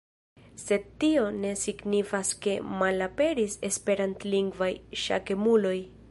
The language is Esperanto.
Sed tio ne signifas ke malaperis esperantlingvaj ŝakemuloj.